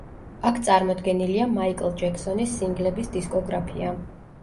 აქ წარმოდგენილია მაიკლ ჯექსონის სინგლების დისკოგრაფია.